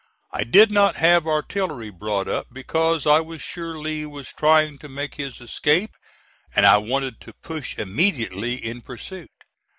I did not have artillery brought up, because I was sure Lee was trying to make his escape, and I wanted to push immediately in pursuit.